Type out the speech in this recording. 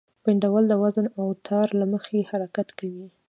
پینډول د وزن او تار له مخې حرکت کوي.